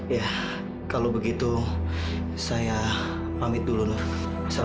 ya kalau begitu saya pamit dulu